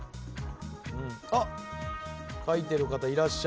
あっ書いてる方いらっしゃいます。